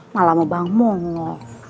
malah sama bang momo